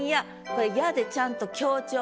これ「や」でちゃんと強調。